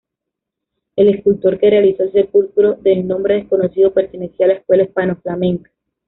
El escultor que realizó el sepulcro, de nombre desconocido, pertenecía a la escuela hispano-flamenca.